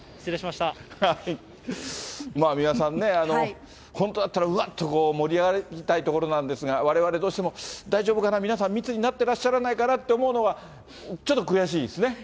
まあ、三輪さんね、本当だったらうわっとこう、盛り上がりたいところなんですが、われわれどうしても、大丈夫かな、皆さん密になってらっしゃらないかなって思うのは、ちょっと悔しいですね。